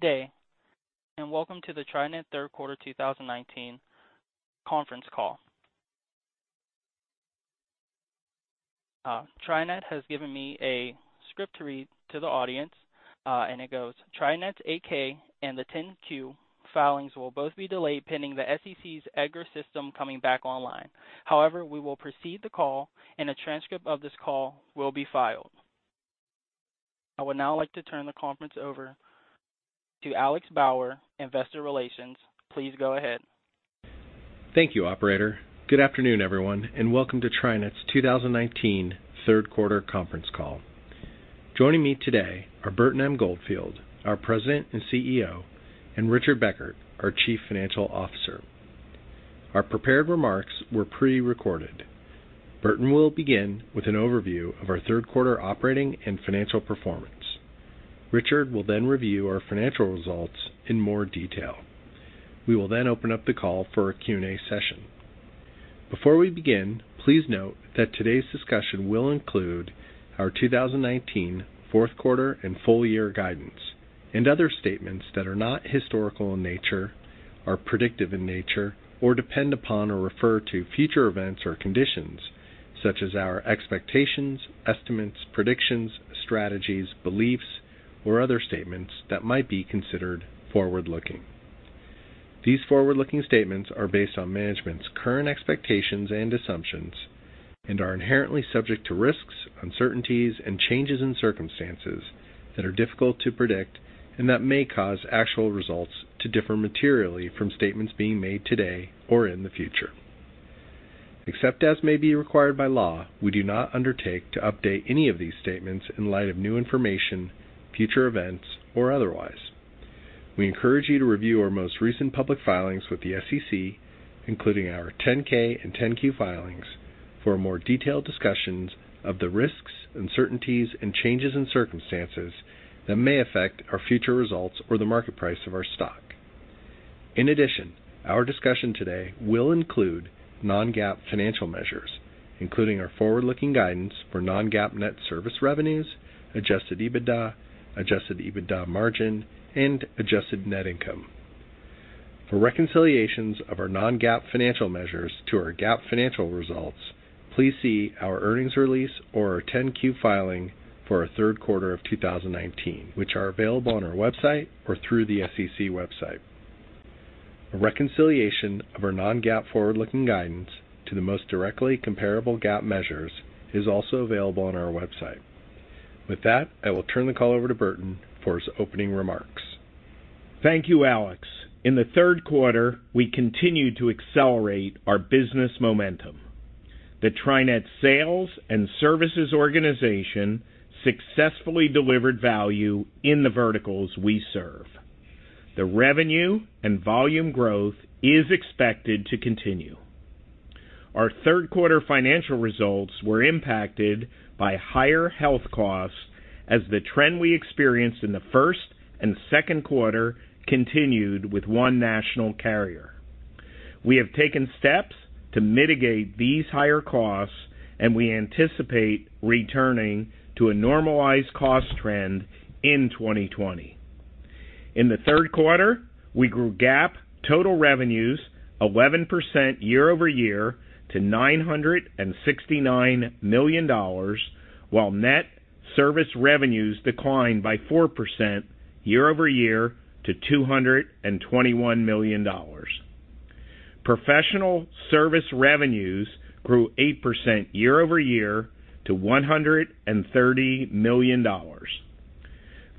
Good day, and welcome to the TriNet third quarter 2019 conference call. TriNet has given me a script to read to the audience, and it goes: TriNet's 8-K and the 10-Q filings will both be delayed pending the SEC's EDGAR system coming back online. However, we will proceed the call and a transcript of this call will be filed. I would now like to turn the conference over to Alex Bauer, investor relations. Please go ahead. Thank you, operator. Good afternoon, everyone, and welcome to TriNet's 2019 third quarter conference call. Joining me today are Burton M. Goldfield, our President and CEO, and Richard Beckert, our Chief Financial Officer. Our prepared remarks were prerecorded. Burton will begin with an overview of our third quarter operating and financial performance. Richard will then review our financial results in more detail. We will then open up the call for a Q&A session. Before we begin, please note that today's discussion will include our 2019 fourth quarter and full year guidance and other statements that are not historical in nature, are predictive in nature, or depend upon or refer to future events or conditions, such as our expectations, estimates, predictions, strategies, beliefs, or other statements that might be considered forward-looking. These forward-looking statements are based on management's current expectations and assumptions and are inherently subject to risks, uncertainties, and changes in circumstances that are difficult to predict and that may cause actual results to differ materially from statements being made today or in the future. Except as may be required by law, we do not undertake to update any of these statements in light of new information, future events, or otherwise. We encourage you to review our most recent public filings with the SEC, including our 10-K and 10-Q filings, for more detailed discussions of the risks, uncertainties, and changes in circumstances that may affect our future results or the market price of our stock. In addition, our discussion today will include non-GAAP financial measures, including our forward-looking guidance for non-GAAP net service revenues, adjusted EBITDA, adjusted EBITDA margin, and adjusted net income. For reconciliations of our non-GAAP financial measures to our GAAP financial results, please see our earnings release or our 10-Q filing for our third quarter of 2019, which are available on our website or through the SEC website. A reconciliation of our non-GAAP forward-looking guidance to the most directly comparable GAAP measures is also available on our website. With that, I will turn the call over to Burton for his opening remarks. Thank you, Alex. In the third quarter, we continued to accelerate our business momentum. The TriNet sales and services organization successfully delivered value in the verticals we serve. The revenue and volume growth is expected to continue. Our third-quarter financial results were impacted by higher health costs as the trend we experienced in the first and second quarter continued with one national carrier. We have taken steps to mitigate these higher costs, and we anticipate returning to a normalized cost trend in 2020. In the third quarter, we grew GAAP total revenues 11% year-over-year to $969 million, while net service revenues declined by 4% year-over-year to $221 million. Professional service revenues grew 8% year-over-year to $130 million.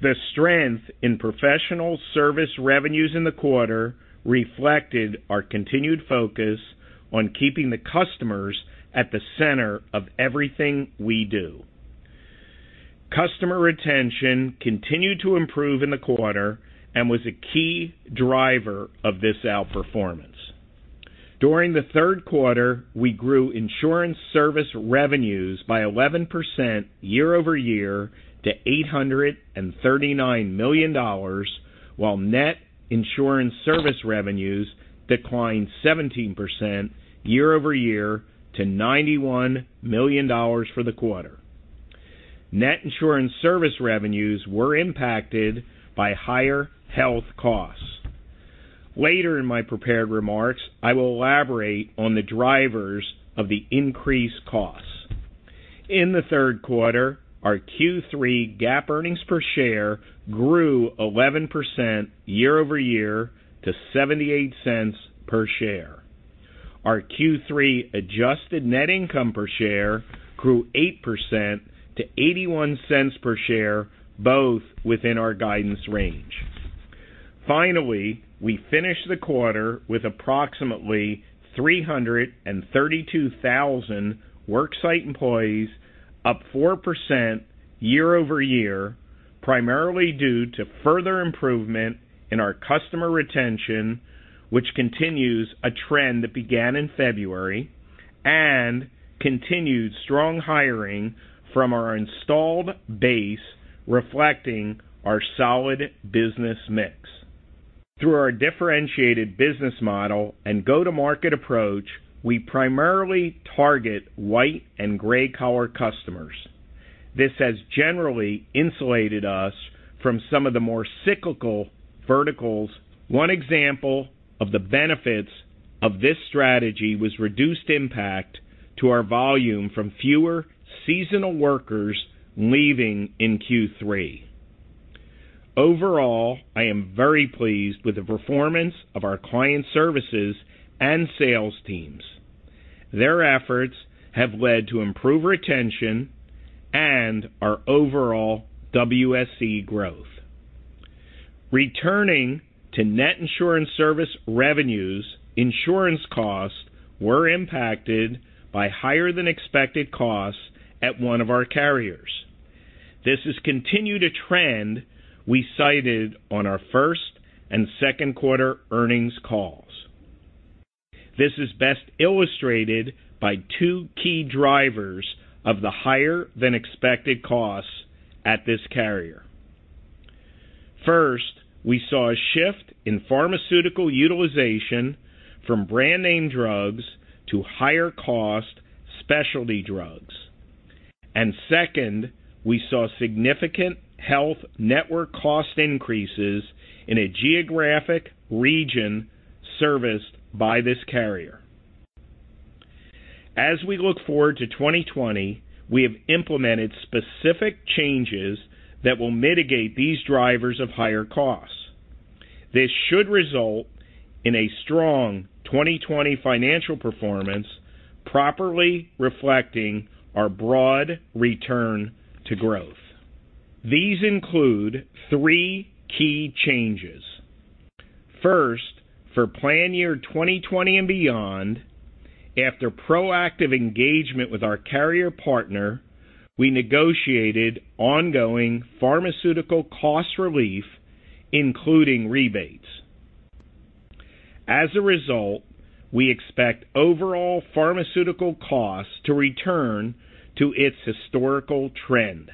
The strength in professional service revenues in the quarter reflected our continued focus on keeping the customers at the center of everything we do. Customer retention continued to improve in the quarter and was a key driver of this outperformance. During the third quarter, we grew insurance service revenues by 11% year-over-year to $839 million, while net insurance service revenues declined 17% year-over-year to $91 million for the quarter. Net insurance service revenues were impacted by higher health costs. Later in my prepared remarks, I will elaborate on the drivers of the increased costs. In the third quarter, our Q3 GAAP earnings per share grew 11% year-over-year to $0.78 per share. Our Q3 adjusted net income per share grew 8% to $0.81 per share, both within our guidance range. Finally, we finished the quarter with approximately 332,000 work site employees, up 4% year-over-year, primarily due to further improvement in our customer retention, which continues a trend that began in February, and continued strong hiring from our installed base, reflecting our solid business mix. Through our differentiated business model and go-to-market approach, we primarily target white and gray collar customers. This has generally insulated us from some of the more cyclical verticals. One example of the benefits of this strategy was reduced impact to our volume from fewer seasonal workers leaving in Q3. Overall, I am very pleased with the performance of our client services and sales teams. Their efforts have led to improved retention and our overall WSE growth. Returning to net insurance service revenues, insurance costs were impacted by higher than expected costs at one of our carriers. This has continued a trend we cited on our first and second quarter earnings calls. This is best illustrated by two key drivers of the higher than expected costs at this carrier. First, we saw a shift in pharmaceutical utilization from brand name drugs to higher cost specialty drugs. Second, we saw significant health network cost increases in a geographic region serviced by this carrier. As we look forward to 2020, we have implemented specific changes that will mitigate these drivers of higher costs. This should result in a strong 2020 financial performance, properly reflecting our broad return to growth. These include three key changes. First, for plan year 2020 and beyond, after proactive engagement with our carrier partner, we negotiated ongoing pharmaceutical cost relief, including rebates. As a result, we expect overall pharmaceutical costs to return to its historical trend.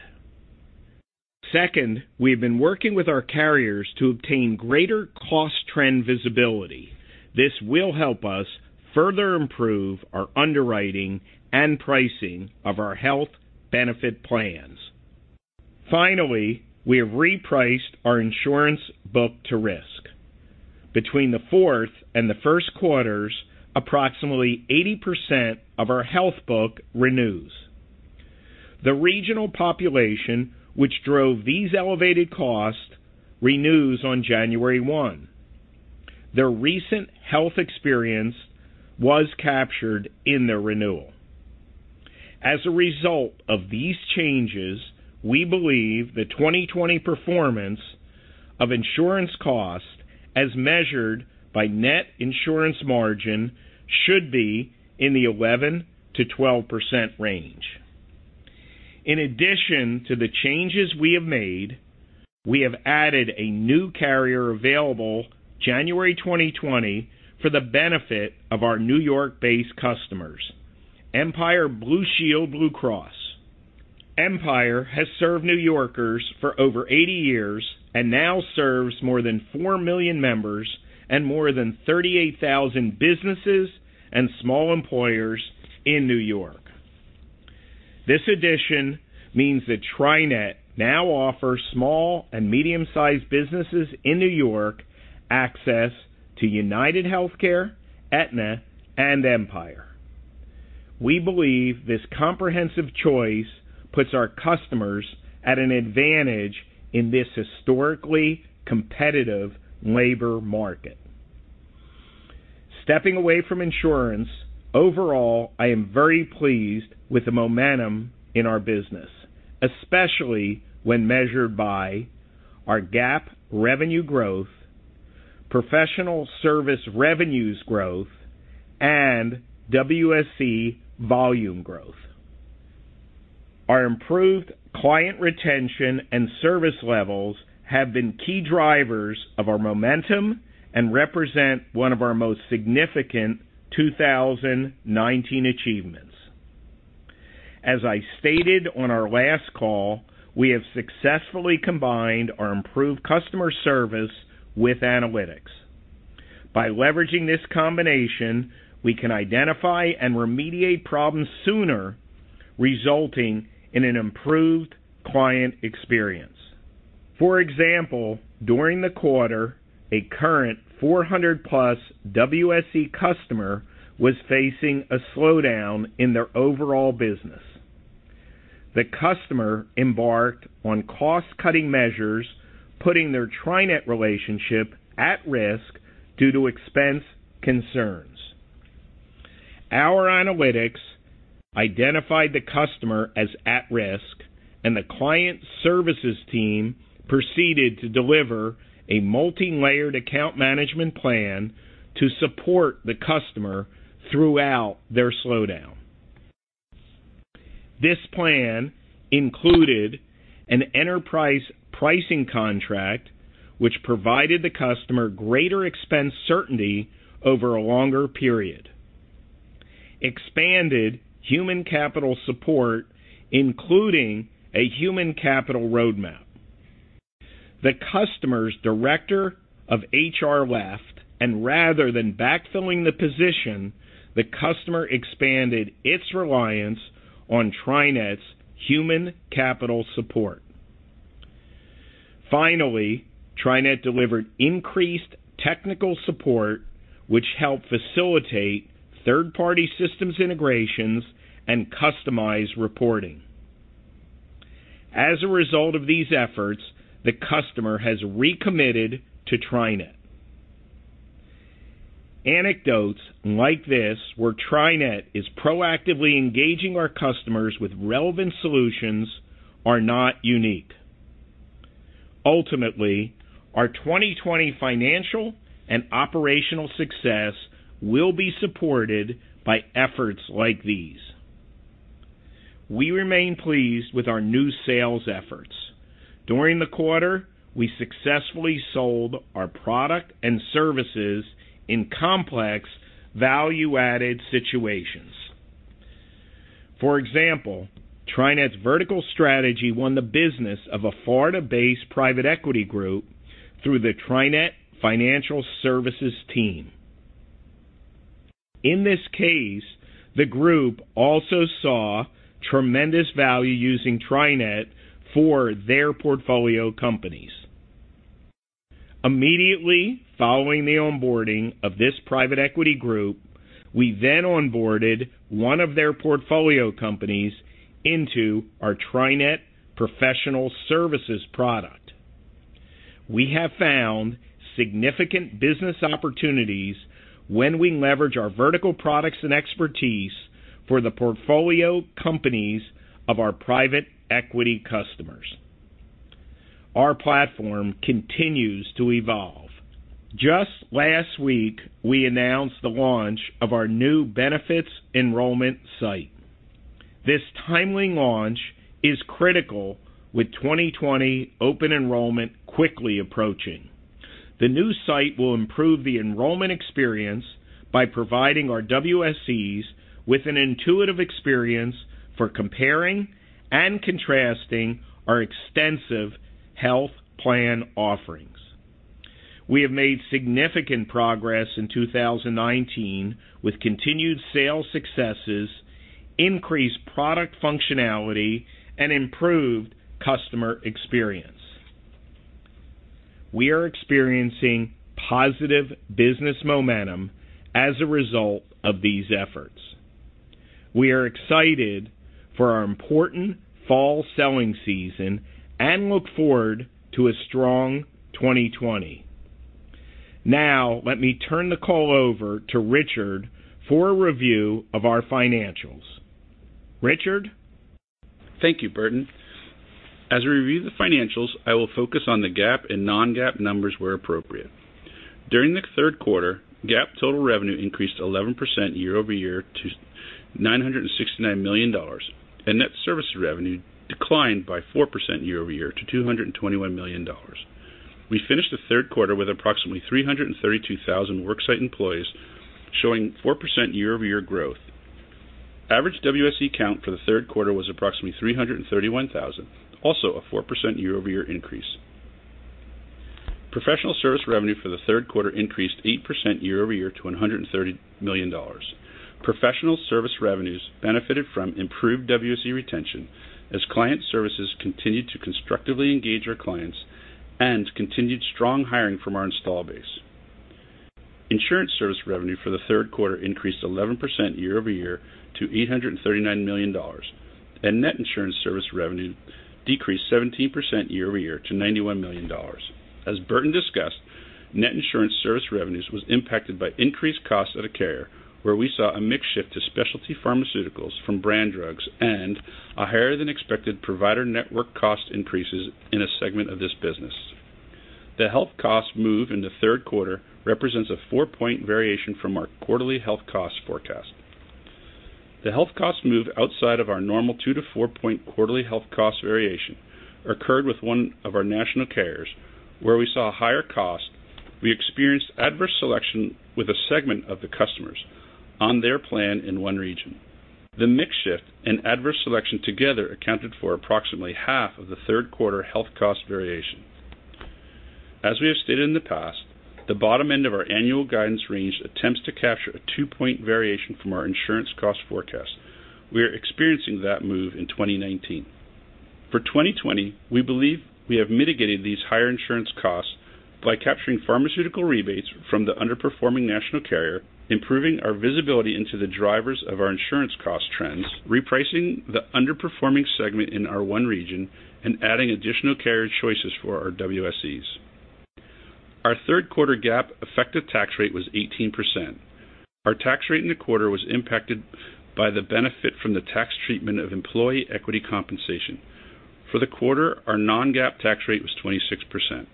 We have been working with our carriers to obtain greater cost trend visibility. This will help us further improve our underwriting and pricing of our health benefit plans. We have repriced our insurance book to risk. Between the fourth and the first quarters, approximately 80% of our health book renews. The regional population, which drove these elevated costs, renews on January 1. Their recent health experience was captured in their renewal. As a result of these changes, we believe the 2020 performance of insurance cost, as measured by net insurance margin, should be in the 11% to 12% range. In addition to the changes we have made, we have added a new carrier available January 2020 for the benefit of our New York-based customers, Empire BlueCross BlueShield. Empire has served New Yorkers for over 80 years and now serves more than 4 million members and more than 38,000 businesses and small employers in New York. This addition means that TriNet now offers small and medium-sized businesses in New York access to UnitedHealthcare, Aetna, and Empire. We believe this comprehensive choice puts our customers at an advantage in this historically competitive labor market. Stepping away from insurance, overall, I am very pleased with the momentum in our business, especially when measured by our GAAP revenue growth, professional service revenues growth, and WSE volume growth. Our improved client retention and service levels have been key drivers of our momentum and represent one of our most significant 2019 achievements. As I stated on our last call, we have successfully combined our improved customer service with analytics. By leveraging this combination, we can identify and remediate problems sooner, resulting in an improved client experience. For example, during the quarter, a current 400-plus WSE customer was facing a slowdown in their overall business. The customer embarked on cost-cutting measures, putting their TriNet relationship at risk due to expense concerns. Our analytics identified the customer as at risk, and the client services team proceeded to deliver a multilayered account management plan to support the customer throughout their slowdown. This plan included an enterprise pricing contract, which provided the customer greater expense certainty over a longer period. Expanded human capital support, including a human capital roadmap. The customer's director of HR left, and rather than back-filling the position, the customer expanded its reliance on TriNet's human capital support. Finally, TriNet delivered increased technical support, which helped facilitate third-party systems integrations and customized reporting. As a result of these efforts, the customer has recommitted to TriNet. Anecdotes like this, where TriNet is proactively engaging our customers with relevant solutions, are not unique. Ultimately, our 2020 financial and operational success will be supported by efforts like these. We remain pleased with our new sales efforts. During the quarter, we successfully sold our product and services in complex, value-added situations. For example, TriNet's vertical strategy won the business of a Florida-based private equity group through the TriNet financial services team. In this case, the group also saw tremendous value using TriNet for their portfolio companies. Immediately following the onboarding of this private equity group, we then onboarded one of their portfolio companies into our TriNet professional services product. We have found significant business opportunities when we leverage our vertical products and expertise for the portfolio companies of our private equity customers. Our platform continues to evolve. Just last week, we announced the launch of our new benefits enrollment site. This timely launch is critical with 2020 open enrollment quickly approaching. The new site will improve the enrollment experience by providing our WSEs with an intuitive experience for comparing and contrasting our extensive health plan offerings. We have made significant progress in 2019 with continued sales successes, increased product functionality, and improved customer experience. We are experiencing positive business momentum as a result of these efforts. We are excited for our important fall selling season and look forward to a strong 2020. Now, let me turn the call over to Richard for a review of our financials. Richard? Thank you, Burton. As I review the financials, I will focus on the GAAP and non-GAAP numbers where appropriate. During the third quarter, GAAP total revenue increased 11% year-over-year to $969 million. Net services revenue declined by 4% year-over-year to $221 million. We finished the third quarter with approximately 332,000 work site employees, showing 4% year-over-year growth. Average WSE count for the third quarter was approximately 331,000, also a 4% year-over-year increase. Professional service revenue for the third quarter increased 8% year-over-year to $130 million. Professional service revenues benefited from improved WSE retention as client services continued to constructively engage our clients and continued strong hiring from our install base. Insurance service revenue for the third quarter increased 11% year-over-year to $839 million. Net insurance service revenue decreased 17% year-over-year to $91 million. As Burton discussed, net insurance service revenues was impacted by increased cost of care, where we saw a mix shift to specialty pharmaceuticals from brand drugs and a higher-than-expected provider network cost increases in a segment of this business. The health cost move in the third quarter represents a 4-point variation from our quarterly health cost forecast. The health cost move outside of our normal 2 to 4-point quarterly health cost variation occurred with one of our national carriers, where we saw higher cost. We experienced adverse selection with a segment of the customers on their plan in one region. The mix shift and adverse selection together accounted for approximately half of the third quarter health cost variation. As we have stated in the past, the bottom end of our annual guidance range attempts to capture a 2-point variation from our insurance cost forecast. We are experiencing that move in 2019. For 2020, we believe we have mitigated these higher insurance costs by capturing pharmaceutical rebates from the underperforming national carrier, improving our visibility into the drivers of our insurance cost trends, repricing the underperforming segment in our one region, and adding additional carrier choices for our WSEs. Our third quarter GAAP effective tax rate was 18%. Our tax rate in the quarter was impacted by the benefit from the tax treatment of employee equity compensation. For the quarter, our non-GAAP tax rate was 26%.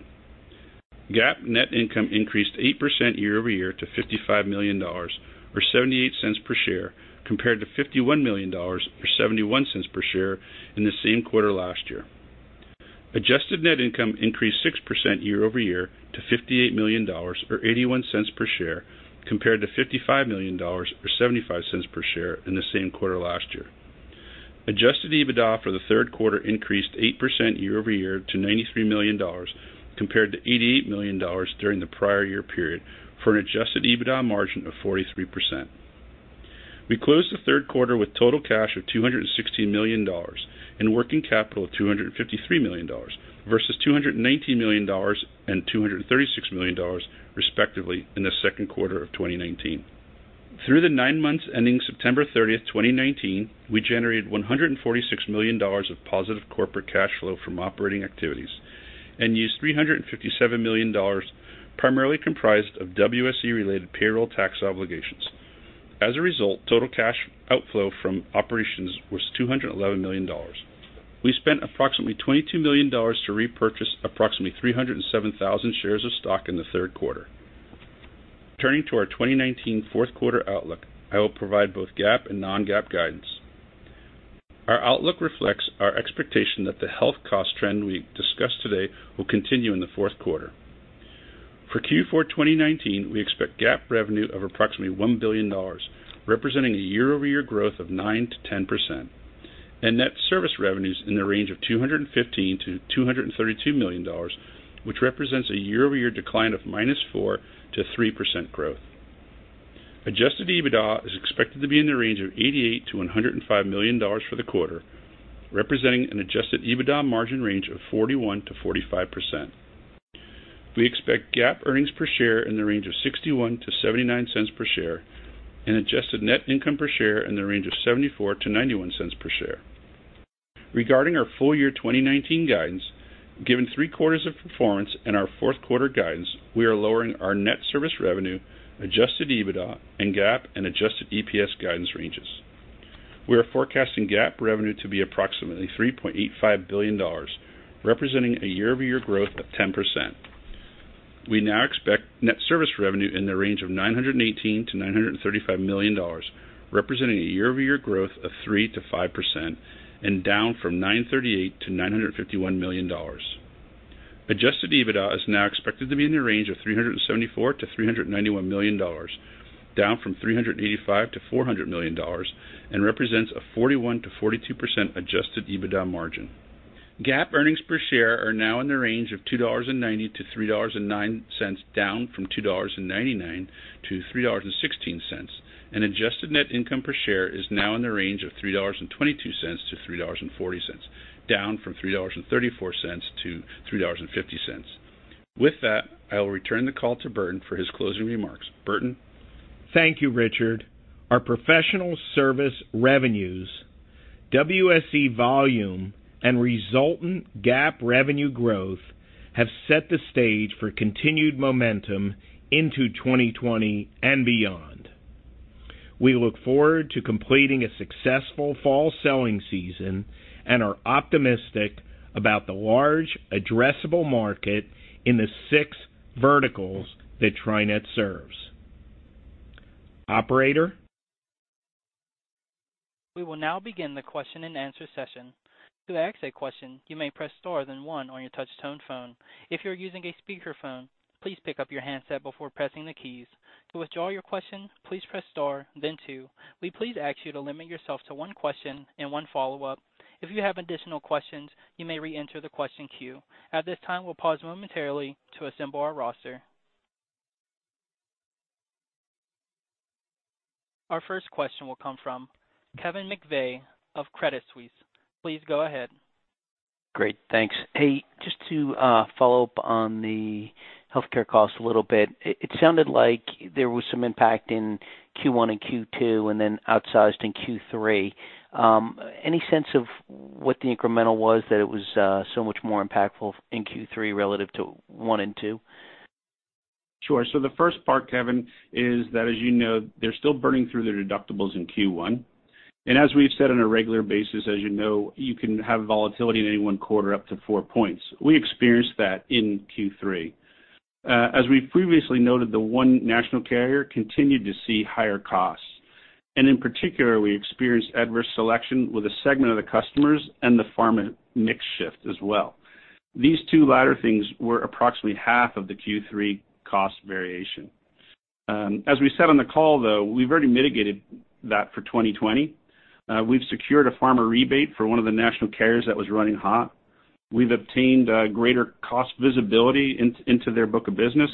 GAAP net income increased 8% year-over-year to $55 million, or $0.78 per share, compared to $51 million, or $0.71 per share in the same quarter last year. Adjusted net income increased 6% year-over-year to $58 million, or $0.81 per share, compared to $55 million or $0.75 per share in the same quarter last year. Adjusted EBITDA for the third quarter increased 8% year-over-year to $93 million, compared to $88 million during the prior year period, for an adjusted EBITDA margin of 43%. We closed the third quarter with total cash of $216 million and working capital of $253 million versus $219 million and $236 million, respectively, in the second quarter of 2019. Through the nine months ending September 30th, 2019, we generated $146 million of positive corporate cash flow from operating activities and used $357 million primarily comprised of WSE related payroll tax obligations. As a result, total cash outflow from operations was $211 million. We spent approximately $22 million to repurchase approximately 307,000 shares of stock in the third quarter. Turning to our 2019 fourth quarter outlook, I will provide both GAAP and non-GAAP guidance. Our outlook reflects our expectation that the health cost trend we discussed today will continue in the fourth quarter. For Q4 2019, we expect GAAP revenue of approximately $1 billion, representing a year-over-year growth of 9%-10%, and net service revenues in the range of $215 million-$232 million, which represents a year-over-year decline of -4% to 3% growth. Adjusted EBITDA is expected to be in the range of $88 million-$105 million for the quarter, representing an adjusted EBITDA margin range of 41%-45%. We expect GAAP earnings per share in the range of $0.61-$0.79 per share and adjusted net income per share in the range of $0.74-$0.91 per share. Regarding our full year 2019 guidance, given three quarters of performance and our fourth quarter guidance, we are lowering our net service revenue, adjusted EBITDA, and GAAP and adjusted EPS guidance ranges. We are forecasting GAAP revenue to be approximately $3.85 billion, representing a year-over-year growth of 10%. We now expect net service revenue in the range of $918 million-$935 million, representing a year-over-year growth of 3%-5%, and down from $938 million-$951 million. Adjusted EBITDA is now expected to be in the range of $374 million-$391 million, down from $385 million-$400 million, and represents a 41%-42% adjusted EBITDA margin. GAAP earnings per share are now in the range of $2.90-$3.09, down from $2.99-$3.16, and adjusted net income per share is now in the range of $3.22-$3.40, down from $3.34-$3.50. With that, I will return the call to Burton for his closing remarks. Burton? Thank you, Richard. Our professional service revenues, WSE volume, and resultant GAAP revenue growth have set the stage for continued momentum into 2020 and beyond. We look forward to completing a successful fall selling season and are optimistic about the large addressable market in the six verticals that TriNet serves. Operator? We will now begin the question and answer session. To ask a question, you may press star, then one on your touchtone phone. If you're using a speakerphone, please pick up your handset before pressing the keys. To withdraw your question, please press star, then two. We please ask you to limit yourself to one question and one follow-up. If you have additional questions, you may reenter the question queue. At this time, we'll pause momentarily to assemble our roster. Our first question will come from Kevin McVeigh of Credit Suisse. Please go ahead. Great. Thanks. Hey, just to follow up on the healthcare cost a little bit. It sounded like there was some impact in Q1 and Q2, then outsized in Q3. Any sense of what the incremental was that it was so much more impactful in Q3 relative to one and two? Sure. The first part, Kevin, is that, as you know, they're still burning through their deductibles in Q1. As we've said on a regular basis, as you know, you can have volatility in any one quarter up to four points. We experienced that in Q3. As we previously noted, the one national carrier continued to see higher costs, and in particular, we experienced adverse selection with a segment of the customers and the pharma mix shift as well. These two latter things were approximately half of the Q3 cost variation. As we said on the call, though, we've already mitigated that for 2020. We've secured a pharma rebate for one of the national carriers that was running hot. We've obtained greater cost visibility into their book of business,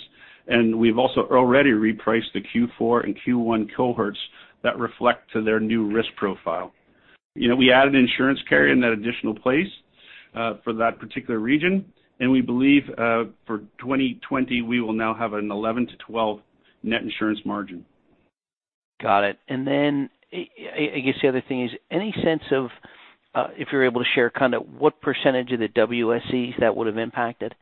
and we've also already repriced the Q4 and Q1 cohorts that reflect to their new risk profile. We added an insurance carrier in that additional place for that particular region, and we believe for 2020 we will now have an 11%-12% net insurance margin. Got it. I guess the other thing is, any sense of, if you're able to share, what % of the WSEs that would have impacted?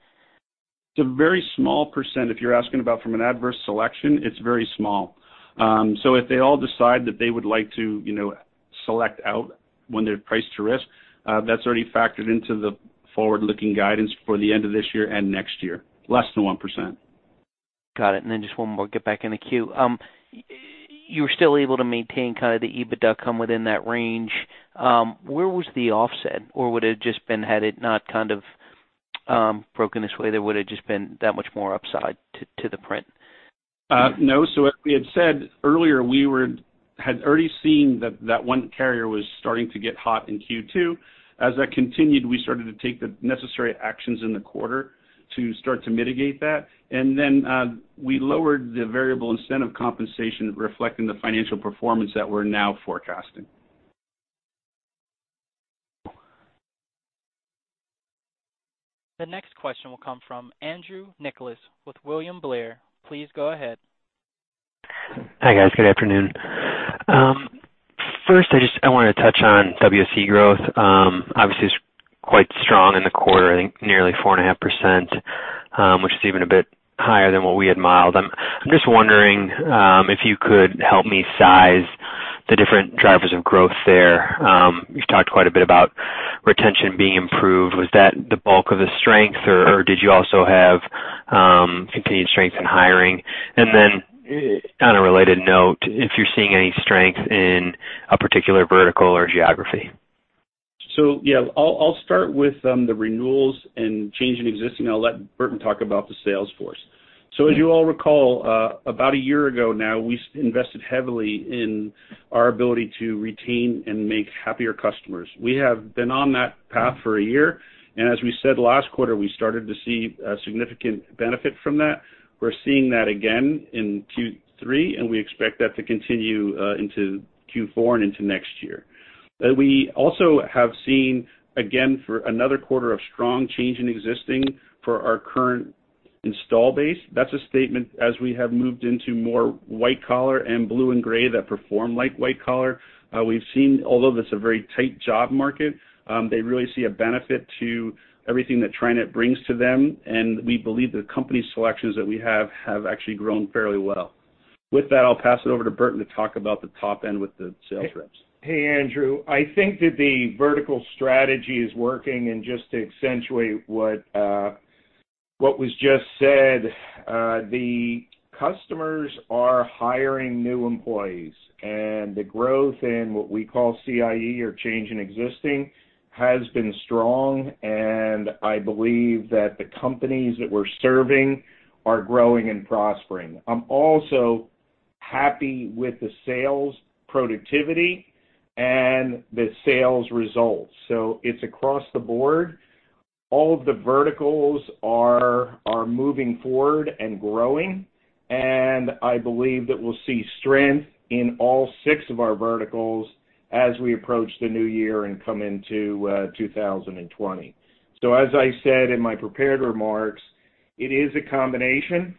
It's a very small %. If you're asking about from an adverse selection, it's very small. If they all decide that they would like to select out when they're priced to risk, that's already factored into the forward-looking guidance for the end of this year and next year. Less than 1%. Got it. Just one more, get back in the queue. You were still able to maintain the EBITDA come within that range. Where was the offset? Would it have just been had it not broken this way, there would've just been that much more upside to the print? No. As we had said earlier, we had already seen that that one carrier was starting to get hot in Q2. As that continued, we started to take the necessary actions in the quarter to start to mitigate that. We lowered the variable incentive compensation reflecting the financial performance that we're now forecasting. The next question will come from Andrew Nicholas with William Blair. Please go ahead. Hi, guys. Good afternoon. I want to touch on WSE growth. It's quite strong in the quarter, I think nearly 4.5%, which is even a bit higher than what we had modeled. I'm just wondering, if you could help me size the different drivers of growth there. You've talked quite a bit about retention being improved. Was that the bulk of the strength, or did you also have continued strength in hiring? On a related note, if you're seeing any strength in a particular vertical or geography. Yeah, I'll start with the renewals and change in existing. I'll let Burton talk about the sales force. As you all recall, about a year ago now, we invested heavily in our ability to retain and make happier customers. We have been on that path for a year, and as we said last quarter, we started to see a significant benefit from that. We're seeing that again in Q3, and we expect that to continue into Q4 and into next year. We also have seen, again for another quarter of strong change in existing for our current install base. That's a statement as we have moved into more white collar and blue and gray that perform like white collar. We've seen, although it's a very tight job market, they really see a benefit to everything that TriNet brings to them. We believe the company selections that we have actually grown fairly well. With that, I'll pass it over to Burton to talk about the top end with the sales reps. Hey, Andrew. I think that the vertical strategy is working, and just to accentuate what was just said, the customers are hiring new employees. The growth in what we call CIE, or change in existing, has been strong, and I believe that the companies that we're serving are growing and prospering. I'm also happy with the sales productivity and the sales results. It's across the board. All of the verticals are moving forward and growing, and I believe that we'll see strength in all six of our verticals as we approach the new year and come into 2020. As I said in my prepared remarks, it is a combination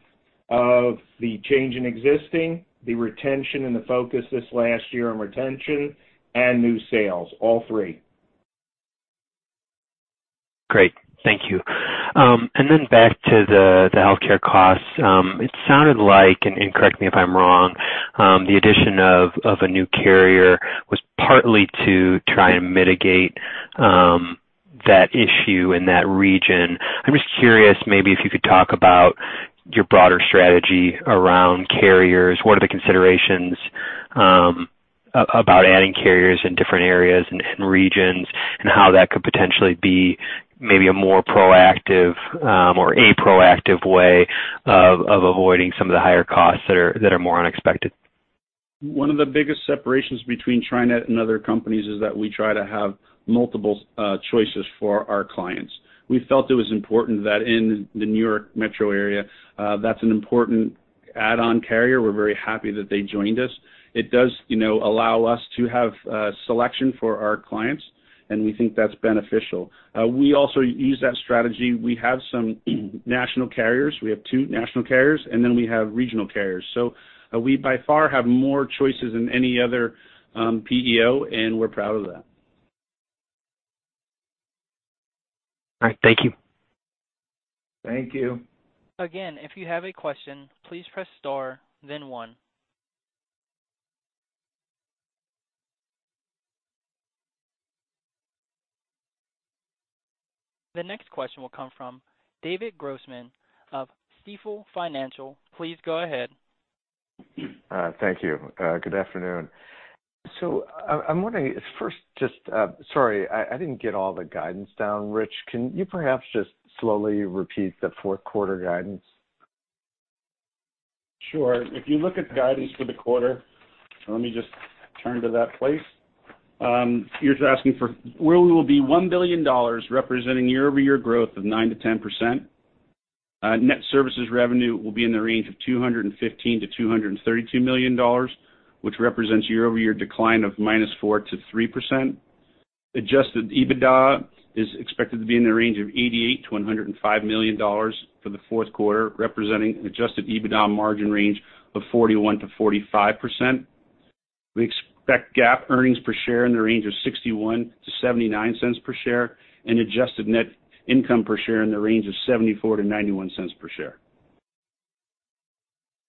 of the change in existing, the retention, and the focus this last year on retention, and new sales. All three. Great. Thank you. Back to the healthcare costs. It sounded like, and correct me if I'm wrong, the addition of a new carrier was partly to try and mitigate that issue in that region. I'm just curious maybe if you could talk about your broader strategy around carriers. What are the considerations about adding carriers in different areas and regions, and how that could potentially be maybe a more proactive, or a proactive way of avoiding some of the higher costs that are more unexpected? One of the biggest separations between TriNet and other companies is that we try to have multiple choices for our clients. We felt it was important that in the New York Metro area, that's an important add-on carrier. We're very happy that they joined us. It does allow us to have selection for our clients, and we think that's beneficial. We also use that strategy. We have some national carriers. We have two national carriers, and then we have regional carriers. We by far have more choices than any other PEO, and we're proud of that. All right. Thank you. Thank you. Again, if you have a question, please press star then one. The next question will come from David Grossman of Stifel Financial. Please go ahead. Thank you. Good afternoon. I'm wondering first, just, sorry, I didn't get all the guidance down, Rich. Can you perhaps just slowly repeat the fourth quarter guidance? Sure. If you look at guidance for the quarter, let me just turn to that place. You're asking for where we will be $1 billion representing year-over-year growth of 9%-10%. Net services revenue will be in the range of $215 million-$232 million, which represents year-over-year decline of -4% to 3%. Adjusted EBITDA is expected to be in the range of $88 million-$105 million for the fourth quarter, representing an adjusted EBITDA margin range of 41%-45%. We expect GAAP earnings per share in the range of $0.61-$0.79 per share, and adjusted net income per share in the range of $0.74-$0.91 per share.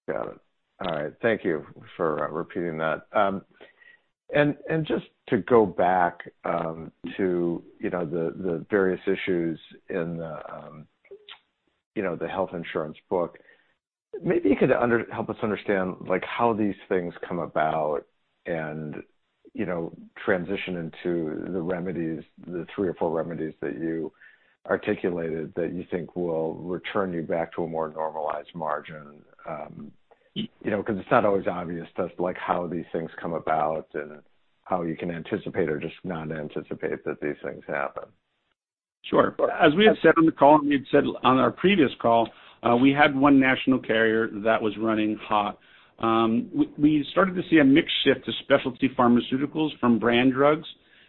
Got it. All right. Thank you for repeating that. Just to go back to the various issues in the health insurance book, maybe you could help us understand how these things come about and transition into the three or four remedies that you articulated that you think will return you back to a more normalized margin. It's not always obvious to us how these things come about and how you can anticipate or just not anticipate that these things happen. Sure. As we have said on the call, and we had said on our previous call, we had one national carrier that was running hot. We started to see a mix shift to specialty pharmaceuticals from brand drugs,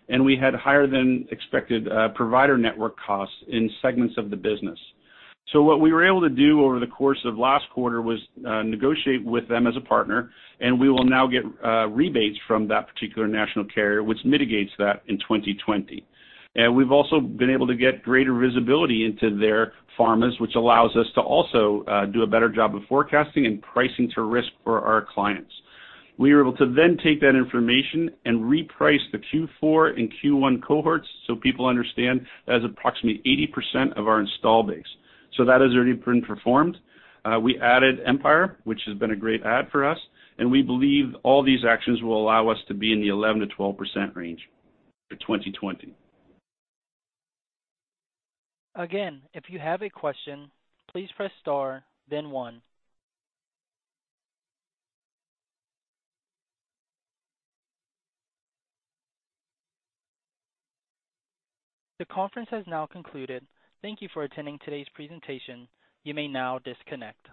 and we had higher than expected provider network costs in segments of the business. What we were able to do over the course of last quarter was negotiate with them as a partner, and we will now get rebates from that particular national carrier, which mitigates that in 2020. We've also been able to get greater visibility into their pharmas, which allows us to also do a better job of forecasting and pricing to risk for our clients. We were able to then take that information and reprice the Q4 and Q1 cohorts so people understand that is approximately 80% of our install base. That has already been performed. We added Empire, which has been a great add for us, and we believe all these actions will allow us to be in the 11%-12% range for 2020. Again, if you have a question, please press star then one. The conference has now concluded. Thank you for attending today's presentation. You may now disconnect.